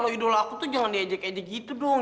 kalau idola aku tuh jangan diajak ajak gitu dong